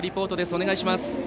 お願いします。